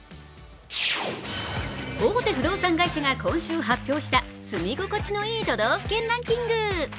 大手不動産会社が今週発表した住み心地のいい都道府県ランキング。